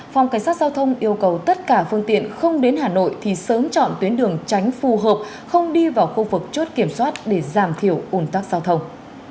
phòng cảnh sát giao thông yêu cầu tất cả phương tiện không đến hà nội thì sớm chọn tuyến đường tránh phù hợp không đi vào khu vực chốt kiểm soát để giảm thiểu ủn tắc giao thông